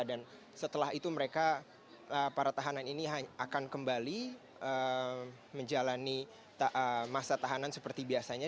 dan setelah itu mereka para tahanan ini akan kembali menjalani masa tahanan seperti biasanya